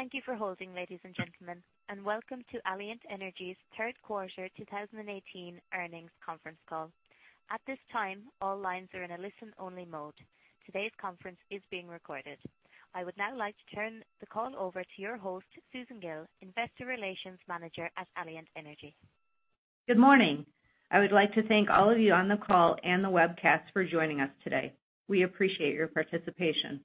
Thank you for holding, ladies and gentlemen, and welcome to Alliant Energy's third quarter 2018 earnings conference call. At this time, all lines are in a listen-only mode. Today's conference is being recorded. I would now like to turn the call over to your host, Susan Gille, investor relations manager at Alliant Energy. Good morning. I would like to thank all of you on the call and the webcast for joining us today. We appreciate your participation.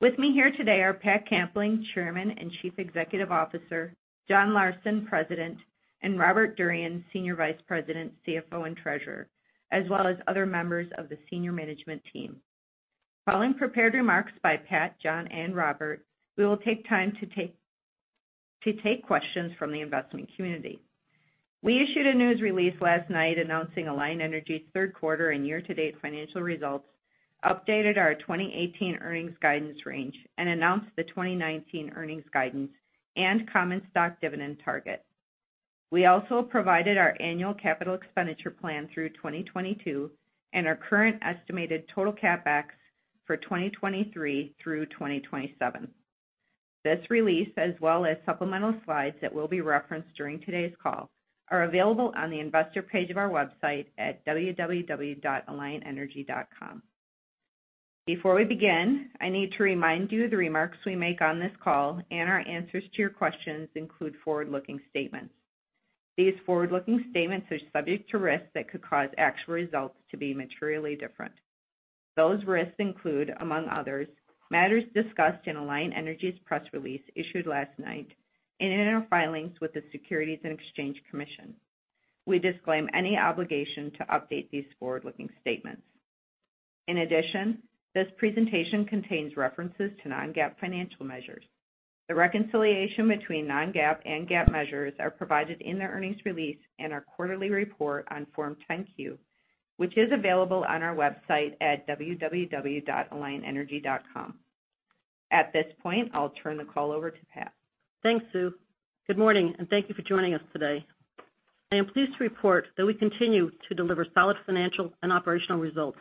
With me here today are Pat Kampling, Chairman and Chief Executive Officer, John Larsen, President, and Robert Durian, Senior Vice President, CFO, and Treasurer, as well as other members of the senior management team. Following prepared remarks by Pat, John, and Robert, we will take time to take questions from the investment community. We issued a news release last night announcing Alliant Energy's third quarter and year-to-date financial results, updated our 2018 earnings guidance range, and announced the 2019 earnings guidance and common stock dividend target. We also provided our annual capital expenditure plan through 2022 and our current estimated total CapEx for 2023 through 2027. This release, as well as supplemental slides that will be referenced during today's call, are available on the investor page of our website at www.alliantenergy.com. Before we begin, I need to remind you the remarks we make on this call and our answers to your questions include forward-looking statements. These forward-looking statements are subject to risks that could cause actual results to be materially different. Those risks include, among others, matters discussed in Alliant Energy's press release issued last night and in our filings with the Securities and Exchange Commission. We disclaim any obligation to update these forward-looking statements. In addition, this presentation contains references to non-GAAP financial measures. The reconciliation between non-GAAP and GAAP measures are provided in the earnings release and our quarterly report on Form 10-Q, which is available on our website at www.alliantenergy.com. At this point, I'll turn the call over to Pat. Thanks, Sue. Good morning, and thank you for joining us today. I am pleased to report that we continue to deliver solid financial and operational results.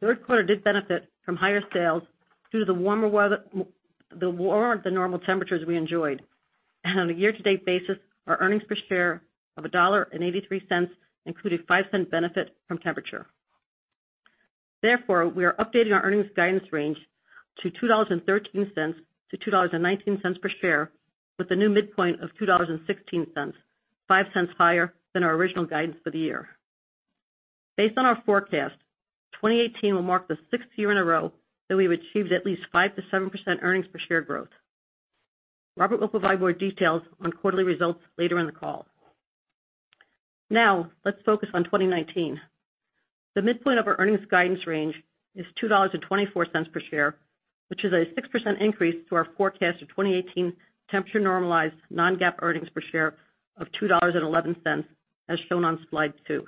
Third quarter did benefit from higher sales due to the warmer-than-normal temperatures we enjoyed. On a year-to-date basis, our earnings per share of $1.83 included $0.05 benefit from temperature. Therefore, we are updating our earnings guidance range to $2.13-$2.19 per share with a new midpoint of $2.16, $0.05 higher than our original guidance for the year. Based on our forecast, 2018 will mark the sixth year in a row that we've achieved at least 5%-7% earnings per share growth. Robert will provide more details on quarterly results later in the call. Now, let's focus on 2019. The midpoint of our earnings guidance range is $2.24 per share, which is a 6% increase to our forecast of 2018 temperature-normalized non-GAAP earnings per share of $2.11 as shown on slide two.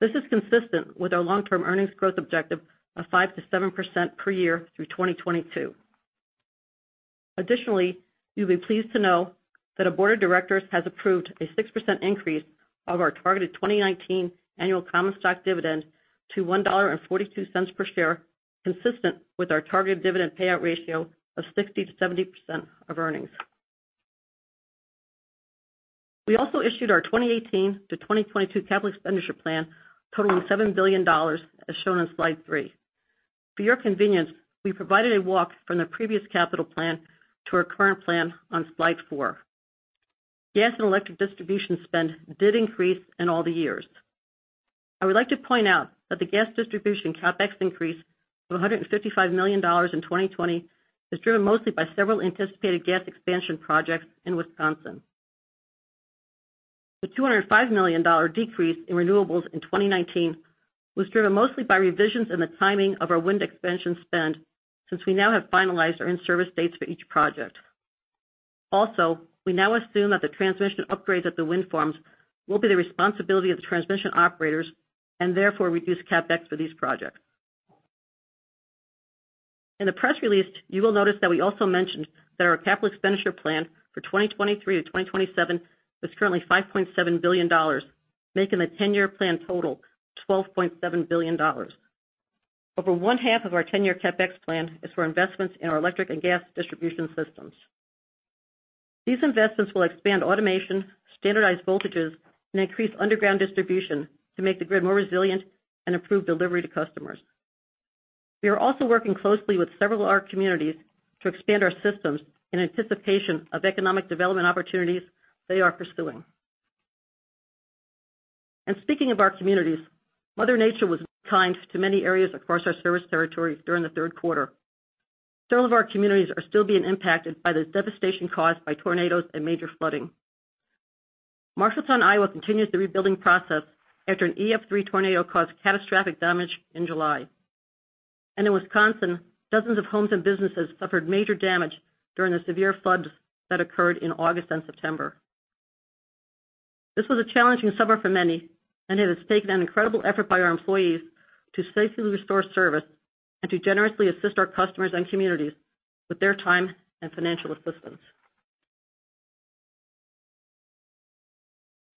This is consistent with our long-term earnings growth objective of 5%-7% per year through 2022. Additionally, you'll be pleased to know that our board of directors has approved a 6% increase of our targeted 2019 annual common stock dividend to $1.42 per share, consistent with our targeted dividend payout ratio of 60%-70% of earnings. We also issued our 2018 to 2022 capital expenditure plan totaling $7 billion as shown on slide three. For your convenience, we provided a walk from the previous capital plan to our current plan on slide four. Gas and electric distribution spend did increase in all the years. I would like to point out that the gas distribution CapEx increase of $155 million in 2020 is driven mostly by several anticipated gas expansion projects in Wisconsin. The $205 million decrease in renewables in 2019 was driven mostly by revisions in the timing of our wind expansion spend since we now have finalized our in-service dates for each project. Also, we now assume that the transmission upgrades at the wind farms will be the responsibility of the transmission operators and therefore reduce CapEx for these projects. In the press release, you will notice that we also mentioned that our capital expenditure plan for 2023 to 2027 is currently $5.7 billion, making the 10-year plan total $12.7 billion. Over one-half of our 10-year CapEx plan is for investments in our electric and gas distribution systems. These investments will expand automation, standardized voltages, and increase underground distribution to make the grid more resilient and improve delivery to customers. Speaking of our communities, Mother Nature was kind to many areas across our service territories during the third quarter. Several of our communities are still being impacted by the devastation caused by tornadoes and major flooding. Marshalltown, Iowa continues the rebuilding process after an EF3 tornado caused catastrophic damage in July. In Wisconsin, dozens of homes and businesses suffered major damage during the severe floods that occurred in August and September. This was a challenging summer for many, and it has taken an incredible effort by our employees to safely restore service and to generously assist our customers and communities with their time and financial assistance.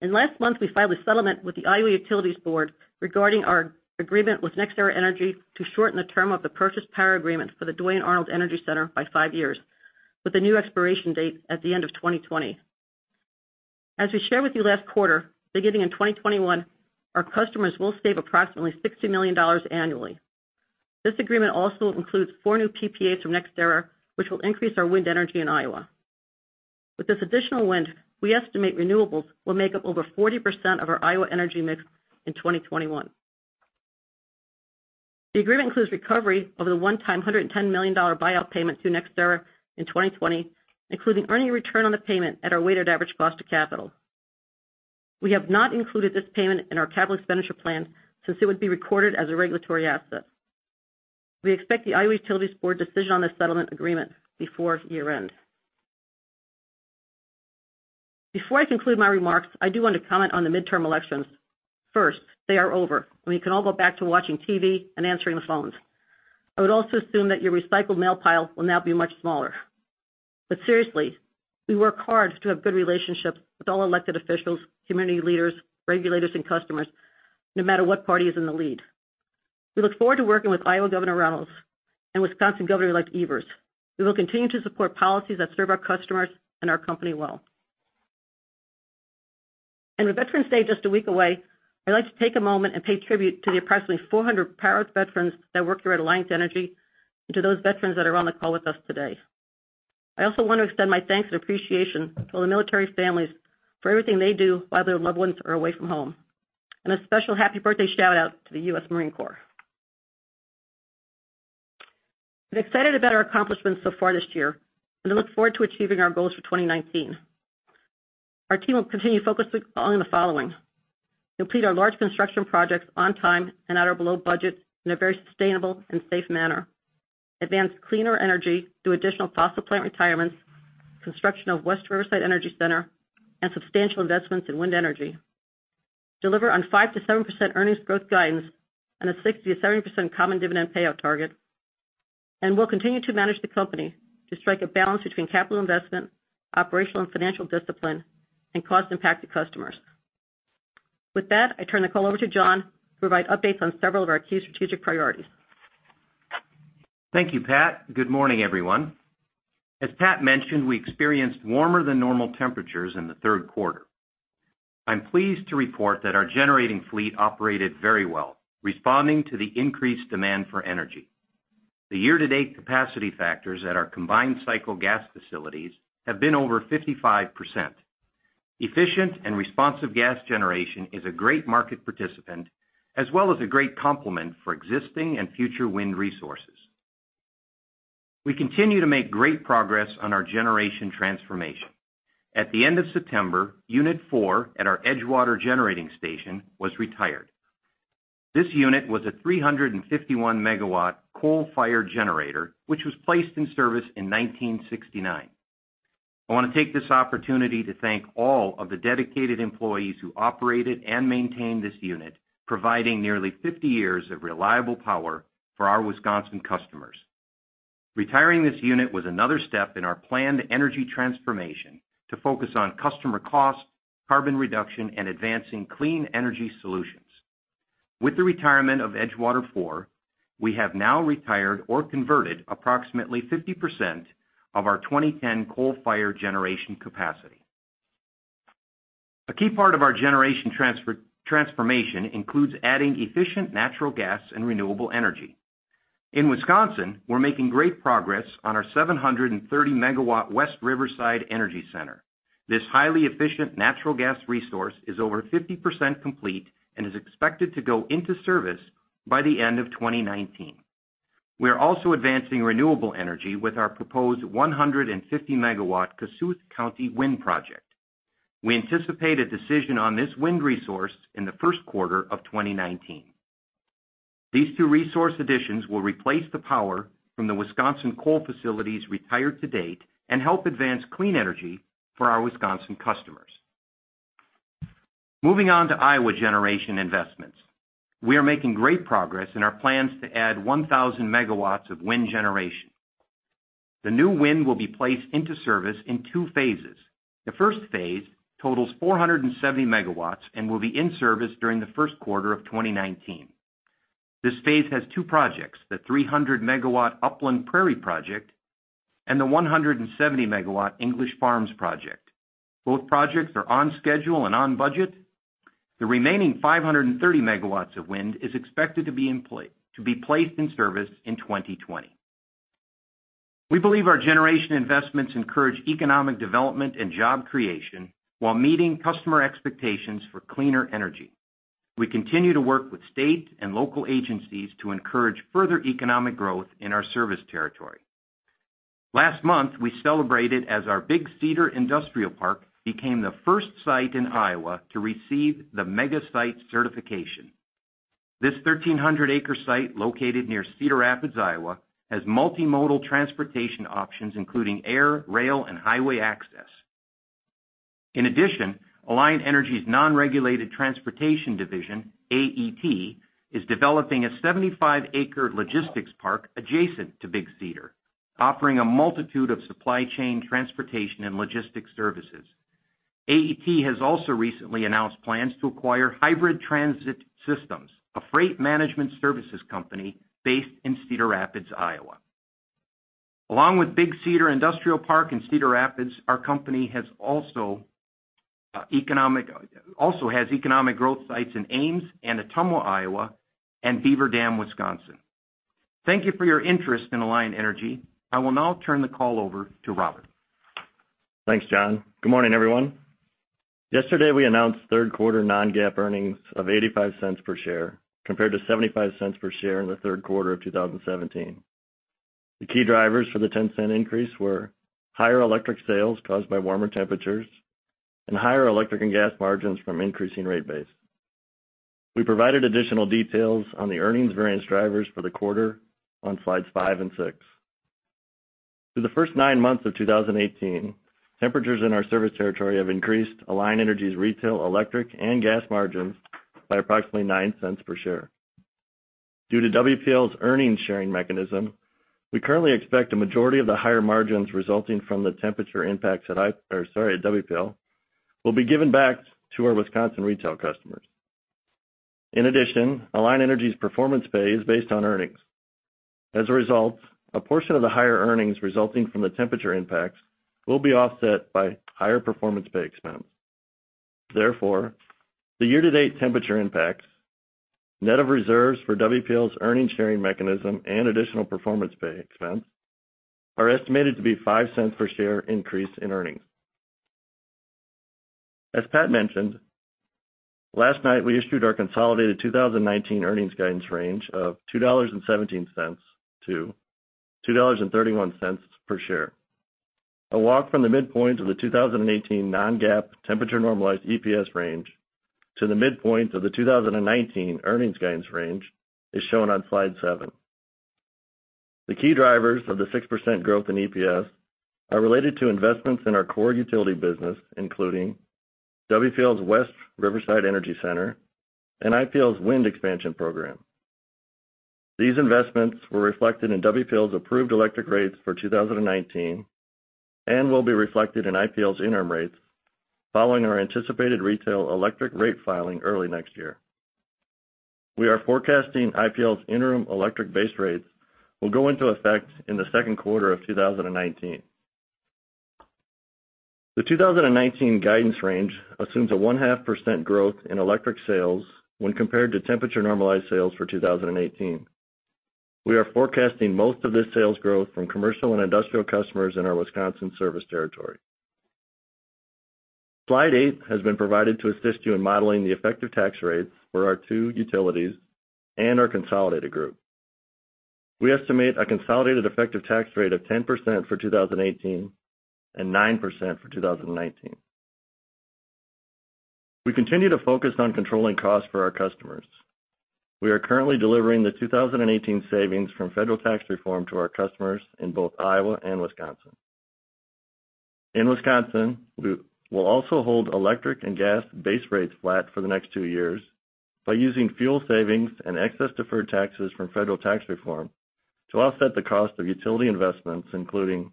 Last month, we filed a settlement with the Iowa Utilities Board regarding our agreement with NextEra Energy to shorten the term of the Power Purchase Agreement for the Duane Arnold Energy Center by five years, with a new expiration date at the end of 2020. As we shared with you last quarter, beginning in 2021, our customers will save approximately $60 million annually. This agreement also includes four new PPAs from NextEra, which will increase our wind energy in Iowa. With this additional wind, we estimate renewables will make up over 40% of our Iowa energy mix in 2021. The agreement includes recovery over the one-time $110 million buyout payment to NextEra in 2020, including earning a return on the payment at our weighted average cost of capital. We have not included this payment in our capital expenditure plan since it would be recorded as a regulatory asset. We expect the Iowa Utilities Board decision on this settlement agreement before year-end. Before I conclude my remarks, I do want to comment on the midterm elections. First, they are over, and we can all go back to watching TV and answering the phones. I would also assume that your recycled mail pile will now be much smaller. Seriously, we work hard to have good relationships with all elected officials, community leaders, regulators, and customers, no matter what party is in the lead. We look forward to working with Iowa Governor Reynolds and Wisconsin Governor-elect Evers. We will continue to support policies that serve our customers and our company well. With Veterans Day just a week away, I'd like to take a moment and pay tribute to the approximately 400 proud veterans that work here at Alliant Energy and to those veterans that are on the call with us today. I also want to extend my thanks and appreciation to all the military families for everything they do while their loved ones are away from home. A special happy birthday shout-out to the U.S. Marine Corps. I'm excited about our accomplishments so far this year, and I look forward to achieving our goals for 2019. Our team will continue focusing on the following: complete our large construction projects on time and at or below budget in a very sustainable and safe manner, advance cleaner energy through additional fossil plant retirements, construction of West Riverside Energy Center, and substantial investments in wind energy, deliver on 5%-7% earnings growth guidance and a 60%-70% common dividend payout target. We'll continue to manage the company to strike a balance between capital investment, operational and financial discipline, and cost impact to customers. With that, I turn the call over to John to provide updates on several of our key strategic priorities. Thank you, Pat. Good morning, everyone. As Pat mentioned, we experienced warmer than normal temperatures in the third quarter. I'm pleased to report that our generating fleet operated very well, responding to the increased demand for energy. The year-to-date capacity factors at our combined cycle gas facilities have been over 55%. Efficient and responsive gas generation is a great market participant, as well as a great complement for existing and future wind resources. We continue to make great progress on our generation transformation. At the end of September, Unit 4 at our Edgewater Generating Station was retired. This unit was a 351-megawatt coal-fired generator, which was placed in service in 1969. I want to take this opportunity to thank all of the dedicated employees who operated and maintained this unit, providing nearly 50 years of reliable power for our Wisconsin customers. Retiring this unit was another step in our planned energy transformation to focus on customer cost, carbon reduction, and advancing clean energy solutions. With the retirement of Edgewater 4, we have now retired or converted approximately 50% of our 2010 coal-fired generation capacity. A key part of our generation transformation includes adding efficient natural gas and renewable energy. In Wisconsin, we're making great progress on our 730-megawatt West Riverside Energy Center. This highly efficient natural gas resource is over 50% complete and is expected to go into service by the end of 2019. We are also advancing renewable energy with our proposed 150-megawatt Kossuth County Wind Project. We anticipate a decision on this wind resource in the first quarter of 2019. These 2 resource additions will replace the power from the Wisconsin coal facilities retired to date and help advance clean energy for our Wisconsin customers. Moving on to Iowa generation investments. We are making great progress in our plans to add 1,000 megawatts of wind generation. The new wind will be placed into service in 2 phases. The first phase totals 470 megawatts and will be in service during the first quarter of 2019. This phase has 2 projects, the 300-megawatt Upland Prairie Project and the 170-megawatt English Farms Project. Both projects are on schedule and on budget. The remaining 530 megawatts of wind is expected to be placed in service in 2020. We believe our generation investments encourage economic development and job creation while meeting customer expectations for cleaner energy. We continue to work with state and local agencies to encourage further economic growth in our service territory. Last month, we celebrated as our Big Cedar Industrial Park became the first site in Iowa to receive the Mega Site Certification. This 1,300-acre site located near Cedar Rapids, Iowa, has multimodal transportation options, including air, rail, and highway access. In addition, Alliant Energy's non-regulated transportation division, AET, is developing a 75-acre logistics park adjacent to Big Cedar, offering a multitude of supply chain transportation and logistics services. AET has also recently announced plans to acquire Hybrid Transit Systems, a freight management services company based in Cedar Rapids, Iowa. Along with Big Cedar Industrial Park in Cedar Rapids, our company also has economic growth sites in Ames and Ottumwa, Iowa, and Beaver Dam, Wisconsin. Thank you for your interest in Alliant Energy. I will now turn the call over to Robert. Thanks, John. Good morning, everyone. Yesterday, we announced third quarter non-GAAP earnings of $0.85 per share, compared to $0.75 per share in the third quarter of 2017. The key drivers for the $0.10 increase were higher electric sales caused by warmer temperatures and higher electric and gas margins from increasing rate base. We provided additional details on the earnings variance drivers for the quarter on slides five and six. Through the first nine months of 2018, temperatures in our service territory have increased Alliant Energy's retail electric and gas margins by approximately $0.09 per share. Due to WPL's earnings sharing mechanism, we currently expect a majority of the higher margins resulting from the temperature impacts or sorry, at WPL, will be given back to our Wisconsin retail customers. In addition, Alliant Energy's performance pay is based on earnings. As a result, a portion of the higher earnings resulting from the temperature impacts will be offset by higher performance pay expense. Therefore, the year-to-date temperature impacts, net of reserves for WPL's earnings sharing mechanism and additional performance pay expense, are estimated to be $0.05 per share increase in earnings. As Pat mentioned, last night we issued our consolidated 2019 earnings guidance range of $2.17-$2.31 per share. A walk from the midpoint of the 2018 non-GAAP temperature normalized EPS range to the midpoint of the 2019 earnings guidance range is shown on slide seven. The key drivers of the 6% growth in EPS are related to investments in our core utility business, including WPL's West Riverside Energy Center and IPL's wind expansion program. These investments were reflected in WPL's approved electric rates for 2019 and will be reflected in IPL's interim rates following our anticipated retail electric rate filing early next year. We are forecasting IPL's interim electric base rates will go into effect in the second quarter of 2019. The 2019 guidance range assumes a one-half percent growth in electric sales when compared to temperature-normalized sales for 2018. We are forecasting most of this sales growth from commercial and industrial customers in our Wisconsin service territory. Slide eight has been provided to assist you in modeling the effective tax rates for our two utilities and our consolidated group. We estimate a consolidated effective tax rate of 10% for 2018 and 9% for 2019. We continue to focus on controlling costs for our customers. We are currently delivering the 2018 savings from federal tax reform to our customers in both Iowa and Wisconsin. In Wisconsin, we will also hold electric and gas base rates flat for the next two years by using fuel savings and excess deferred taxes from federal tax reform to offset the cost of utility investments, including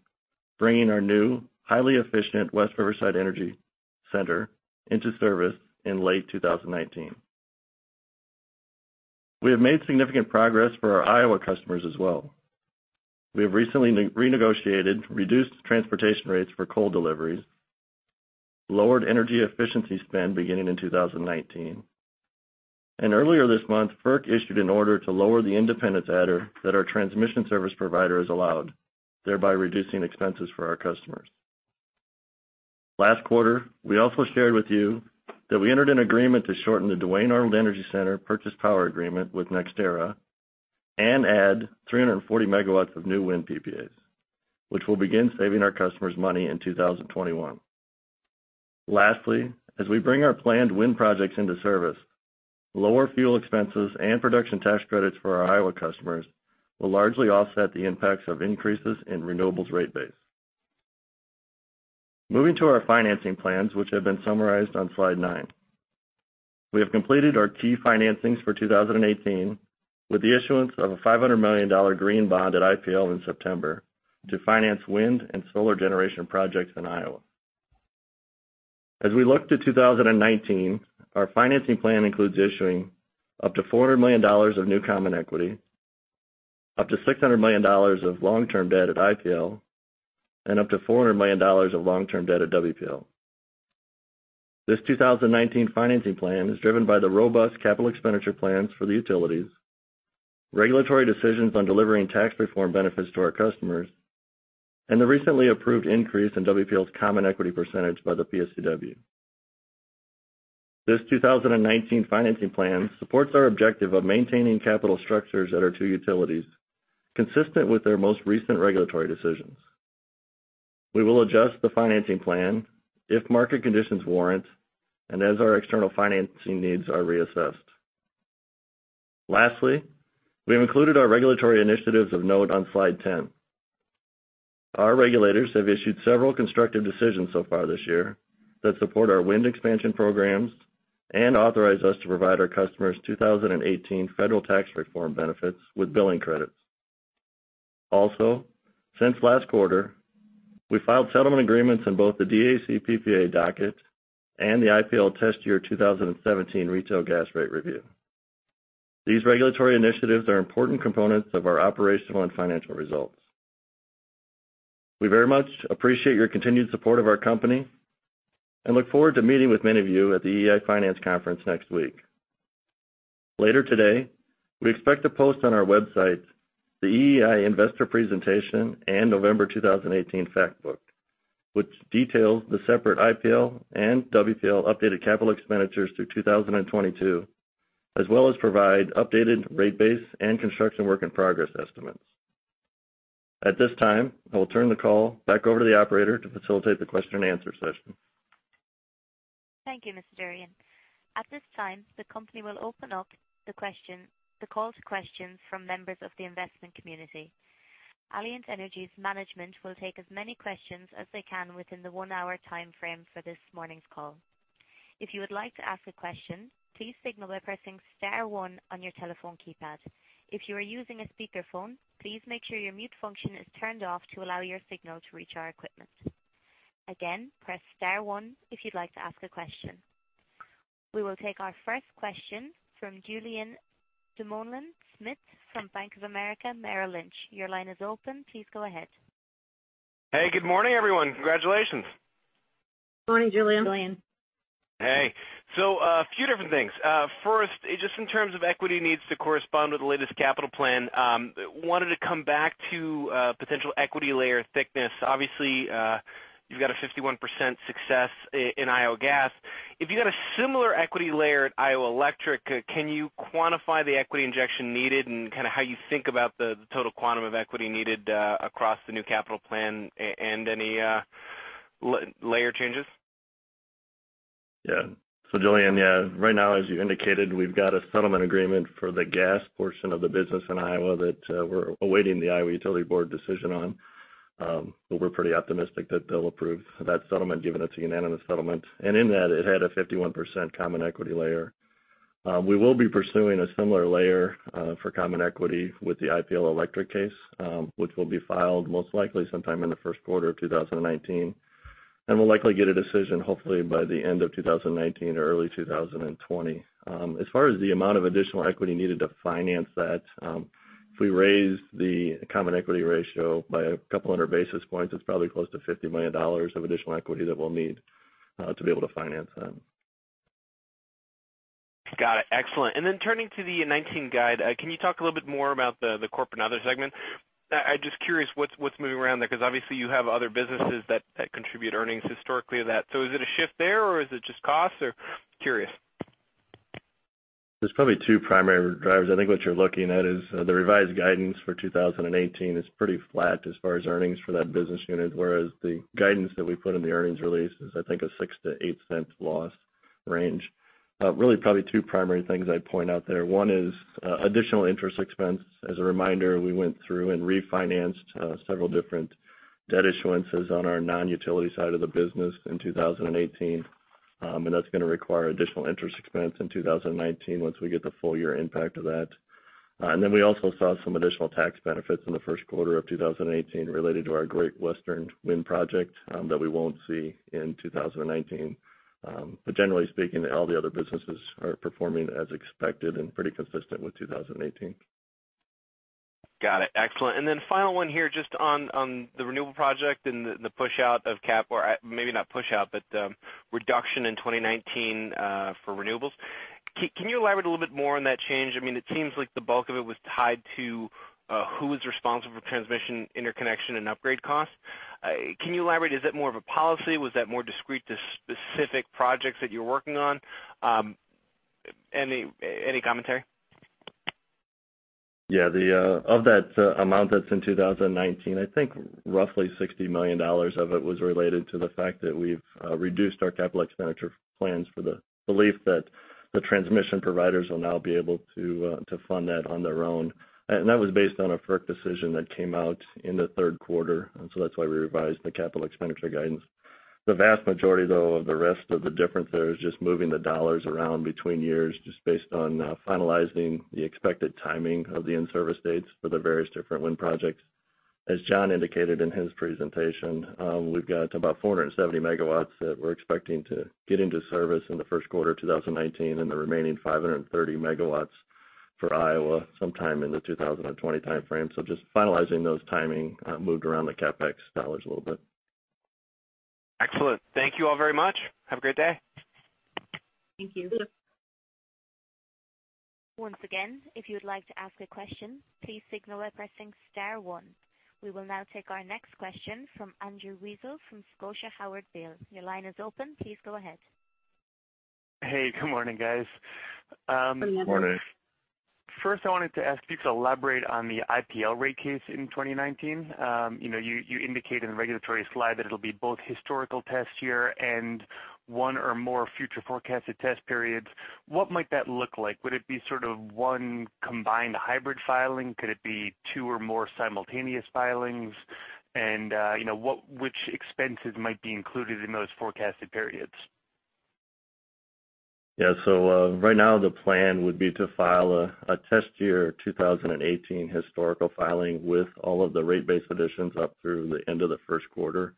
bringing our new, highly efficient West Riverside Energy Center into service in late 2019. We have made significant progress for our Iowa customers as well. We have recently renegotiated reduced transportation rates for coal deliveries, lowered energy efficiency spend beginning in 2019. Earlier this month, FERC issued an order to lower the independence adder that our transmission service providers allowed, thereby reducing expenses for our customers. Last quarter, we also shared with you that we entered an agreement to shorten the Duane Arnold Energy Center purchase power agreement with NextEra and add 340 megawatts of new wind PPAs, which will begin saving our customers money in 2021. Lastly, as we bring our planned wind projects into service, lower fuel expenses and Production Tax Credits for our Iowa customers will largely offset the impacts of increases in renewables rate base. Moving to our financing plans, which have been summarized on slide nine. We have completed our key financings for 2018 with the issuance of a $500 million green bond at IPL in September to finance wind and solar generation projects in Iowa. As we look to 2019, our financing plan includes issuing up to $400 million of new common equity, up to $600 million of long-term debt at IPL, and up to $400 million of long-term debt at WPL. This 2019 financing plan is driven by the robust Capital Expenditures plans for the utilities, regulatory decisions on delivering tax reform benefits to our customers, and the recently approved increase in WPL's common equity percentage by the PSCW. This 2019 financing plan supports our objective of maintaining capital structures at our two utilities consistent with their most recent regulatory decisions. We will adjust the financing plan if market conditions warrant and as our external financing needs are reassessed. Lastly, we have included our regulatory initiatives of note on slide 10. Our regulators have issued several constructive decisions so far this year that support our wind expansion programs and authorize us to provide our customers 2018 federal tax reform benefits with billing credits. Also, since last quarter, we filed settlement agreements in both the DAEC PPA docket and the IPL Test Year 2017 Retail Gas Rate Review. These regulatory initiatives are important components of our operational and financial results. We very much appreciate your continued support of our company and look forward to meeting with many of you at the EEI Financial Conference next week. Later today, we expect to post on our website the EEI investor presentation and November 2018 fact book, which details the separate IPL and WPL updated capital expenditures through 2022, as well as provide updated rate base and construction work in progress estimates. At this time, I will turn the call back over to the operator to facilitate the question and answer session. Thank you, Mr. Durian. At this time, the company will open up the call to questions from members of the investment community. Alliant Energy's management will take as many questions as they can within the one-hour timeframe for this morning's call. If you would like to ask a question, please signal by pressing star one on your telephone keypad. If you are using a speakerphone, please make sure your mute function is turned off to allow your signal to reach our equipment. Again, press star one if you'd like to ask a question. We will take our first question from Julien Dumoulin-Smith from Bank of America Merrill Lynch. Your line is open. Please go ahead. Hey, good morning, everyone. Congratulations. Morning, Julien. Julien. Hey. A few different things. First, just in terms of equity needs to correspond with the latest capital plan, wanted to come back to potential equity layer thickness. Obviously, you've got a 51% success in Iowa Gas. If you've got a similar equity layer at Iowa Electric, can you quantify the equity injection needed and kind of how you think about the total quantum of equity needed across the new capital plan and any layer changes? Yeah. Julien, yeah, right now, as you indicated, we've got a settlement agreement for the gas portion of the business in Iowa that we're awaiting the Iowa Utilities Board decision on. We're pretty optimistic that they'll approve that settlement, given it's a unanimous settlement. In that, it had a 51% common equity layer. We will be pursuing a similar layer for common equity with the IPL Electric case, which will be filed most likely sometime in the first quarter of 2019. We'll likely get a decision hopefully by the end of 2019 or early 2020. As far as the amount of additional equity needed to finance that, if we raise the common equity ratio by a couple other basis points, it's probably close to $50 million of additional equity that we'll need to be able to finance that. Got it. Excellent. Then turning to the 2019 guide, can you talk a little bit more about the corporate other segment? I'm just curious what's moving around there because obviously you have other businesses that contribute earnings historically to that. Is it a shift there or is it just cost? Curious. There's probably two primary drivers. I think what you're looking at is the revised guidance for 2018 is pretty flat as far as earnings for that business unit, whereas the guidance that we put in the earnings release is, I think, a $0.06-$0.08 loss range. Really probably two primary things I'd point out there. One is additional interest expense. As a reminder, we went through and refinanced several different debt issuances on our non-utility side of the business in 2018, that's going to require additional interest expense in 2019 once we get the full year impact of that. Then we also saw some additional tax benefits in the first quarter of 2018 related to our Great Western Wind Project that we won't see in 2019. Generally speaking, all the other businesses are performing as expected and pretty consistent with 2018. Got it. Excellent. Then final one here, just on the renewable project and the push out of CapEx or maybe not push out, but reduction in 2019 for renewables. Can you elaborate a little bit more on that change? It seems like the bulk of it was tied to who is responsible for transmission, interconnection, and upgrade costs. Can you elaborate? Is that more of a policy? Was that more discrete to specific projects that you're working on? Any commentary? Of that amount that's in 2019, I think roughly $60 million of it was related to the fact that we've reduced our Capital Expenditure plans for the belief that the transmission providers will now be able to fund that on their own. That was based on a FERC decision that came out in the third quarter, so that's why we revised the Capital Expenditure guidance. The vast majority, though, of the rest of the difference there is just moving the dollars around between years just based on finalizing the expected timing of the in-service dates for the various different wind projects. As John indicated in his presentation, we've got about 470 megawatts that we're expecting to get into service in the first quarter 2019 and the remaining 530 megawatts for Iowa sometime in the 2020 timeframe. Just finalizing those timing moved around the CapEx dollars a little bit. Excellent. Thank you all very much. Have a great day. Thank you. Once again, if you would like to ask a question, please signal by pressing star one. We will now take our next question from Andrew Weisel from Scotiabank Howard Weil. Your line is open. Please go ahead. Hey, good morning, guys. Morning. First, I wanted to ask if you could elaborate on the IPL rate case in 2019. You indicated in the regulatory slide that it will be both historical test year and one or more future forecasted test periods. What might that look like? Would it be one combined hybrid filing? Could it be two or more simultaneous filings? Which expenses might be included in those forecasted periods? Yeah. Right now, the plan would be to file a test year 2018 historical filing with all of the rate base additions up through the end of the first quarter.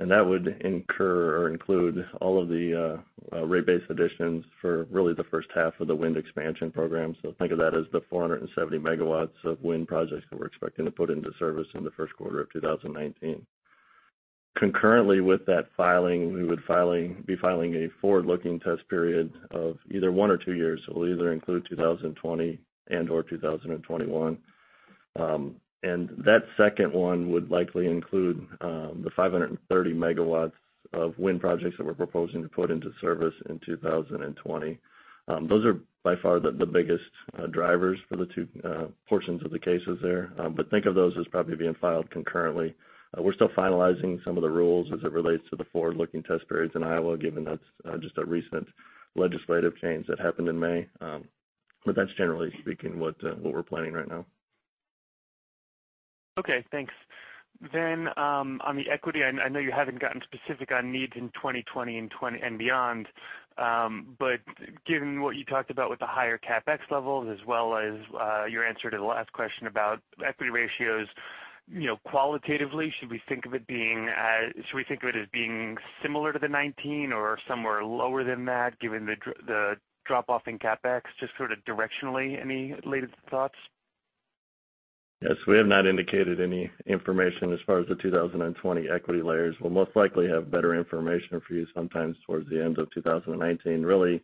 That would incur or include all of the rate base additions for really the first half of the wind expansion program. Think of that as the 470 MW of wind projects that we are expecting to put into service in the first quarter of 2019. Concurrently with that filing, we would be filing a forward-looking test period of either one or two years. We will either include 2020 and/or 2021. That second one would likely include the 530 MW of wind projects that we are proposing to put into service in 2020. Those are by far the biggest drivers for the two portions of the cases there. Think of those as probably being filed concurrently. We are still finalizing some of the rules as it relates to the forward-looking test periods in Iowa, given that is just a recent legislative change that happened in May. That is generally speaking what we are planning right now. Okay, thanks. On the equity, I know you have not gotten specific on needs in 2020 and beyond. Given what you talked about with the higher CapEx levels as well as your answer to the last question about equity ratios, qualitatively, should we think of it as being similar to the 2019 or somewhere lower than that given the drop-off in CapEx? Just directionally, any latest thoughts? Yes, we have not indicated any information as far as the 2020 equity layers. We'll most likely have better information for you sometimes towards the end of 2019. Really,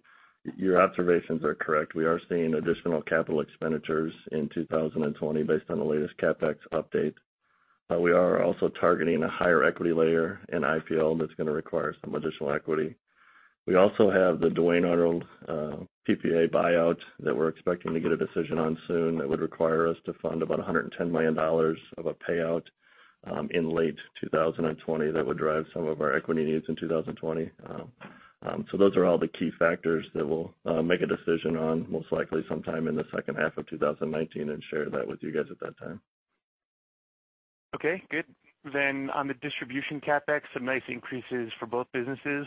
your observations are correct. We are seeing additional Capital Expenditures in 2020 based on the latest CapEx update. We are also targeting a higher equity layer in IPL that's going to require some additional equity. We also have the Duane Arnold PPA buyout that we're expecting to get a decision on soon that would require us to fund about $110 million of a payout in late 2020. That would drive some of our equity needs in 2020. Those are all the key factors that we'll make a decision on most likely sometime in the second half of 2019 and share that with you guys at that time. Okay, good. On the distribution CapEx, some nice increases for both businesses.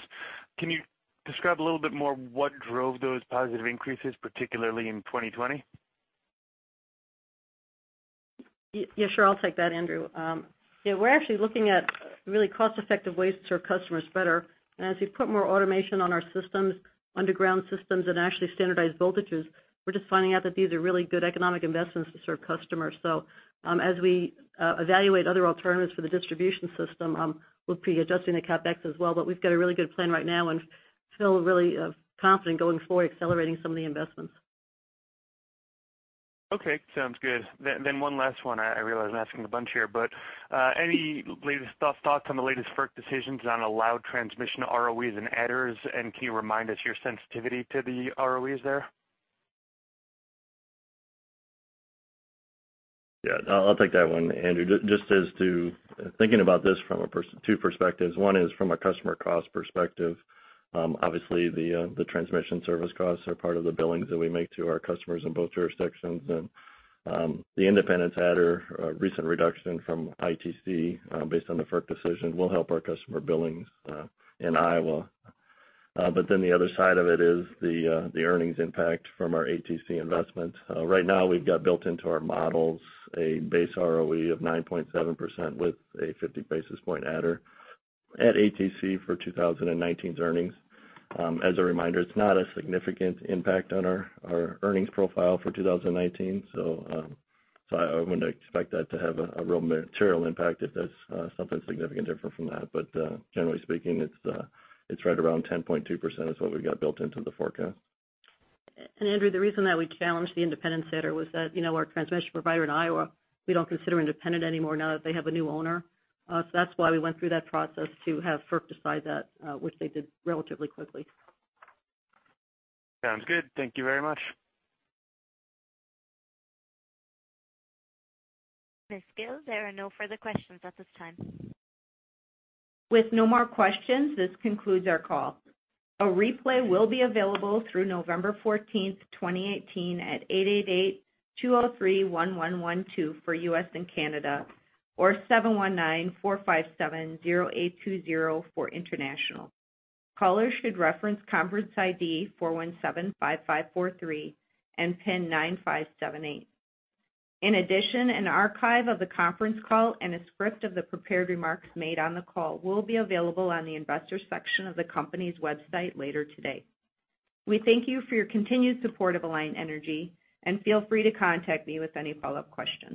Can you describe a little bit more what drove those positive increases, particularly in 2020? Yeah, sure. I'll take that, Andrew. We're actually looking at really cost-effective ways to serve customers better. As we put more automation on our systems, underground systems, and actually standardize voltages, we're just finding out that these are really good economic investments to serve customers. As we evaluate other alternatives for the distribution system, we'll be adjusting the CapEx as well. We've got a really good plan right now and feel really confident going forward accelerating some of the investments. Okay, sounds good. One last one. I realize I'm asking a bunch here, any latest thoughts on the latest FERC decisions on allowed transmission ROEs and adders? Can you remind us your sensitivity to the ROEs there? Yeah, I'll take that one, Andrew. Just thinking about this from two perspectives. One is from a customer cost perspective. Obviously, the transmission service costs are part of the billings that we make to our customers in both jurisdictions. The independents adder recent reduction from ITC based on the FERC decision will help our customer billings in Iowa. The other side of it is the earnings impact from our ATC investment. Right now, we've got built into our models a base ROE of 9.7% with a 50 basis point adder at ATC for 2019's earnings. As a reminder, it's not a significant impact on our earnings profile for 2019, so I wouldn't expect that to have a real material impact if there's something significantly different from that. Generally speaking, it's right around 10.2% is what we've got built into the forecast. Andrew, the reason that we challenged the independents adder was that our transmission provider in Iowa, we don't consider independent anymore now that they have a new owner. That's why we went through that process to have FERC decide that which they did relatively quickly. Sounds good. Thank you very much. Ms. Gille, there are no further questions at this time. With no more questions, this concludes our call. A replay will be available through November 14th, 2018 at 888-203-1112 for U.S. and Canada or 719-457-0820 for international. Callers should reference conference ID 4175543 and pin 9578. In addition, an archive of the conference call and a script of the prepared remarks made on the call will be available on the investors section of the company's website later today. We thank you for your continued support of Alliant Energy, and feel free to contact me with any follow-up questions.